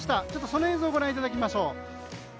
その映像をご覧いただきましょう。